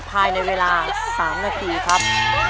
ภายในเวลา๓นาทีครับ